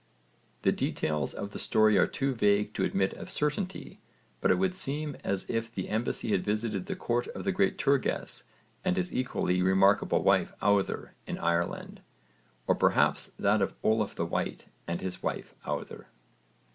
The details of the story are too vague to admit of certainty, but it would seem as if the embassy had visited the court of the great Turges and his equally remarkable wife Auðr in Ireland, or perhaps that of Olaf the White and his wife Auðr (_v.